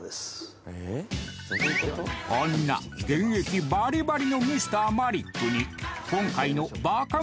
こんな現役バリバリのＭｒ．マリックに今回のＢＡＫＡ